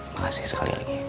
makasih sekali lagi